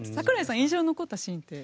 印象に残ったシーンは？